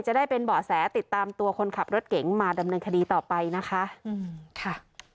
จะได้เป็นเบาะแสติดตามตัวคนขับรถเก๋งมาดำเนินคดีต่อไปนะคะอืมค่ะ